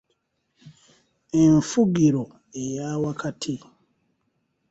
Enfugiro eya wakati